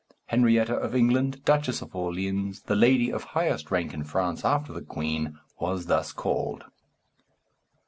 Henrietta of England, Duchess of Orleans, the lady of highest rank in France after the queen, was thus called.